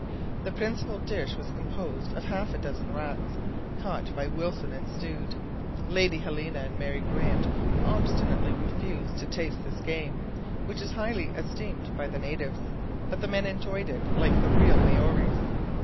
The principal dish was composed of half a dozen rats, caught by Wilson and stewed. Lady Helena and Mary Grant obstinately refused to taste this game, which is highly esteemed by the natives; but the men enjoyed it like the real Maories.